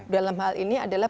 dalam hal ini adalah